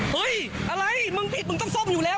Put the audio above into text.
เฮ้ยอะไรมึงผิดมึงต้องซ่อมอยู่แล้ว